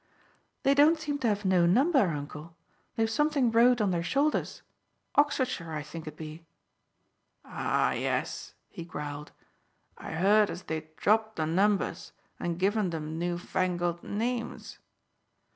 "They don't seem to have no number, uncle. They've something wrote on their shoulders. Oxfordshire, I think it be." "Ah, yes!" he growled. "I heard as they'd dropped the numbers and given them newfangled names.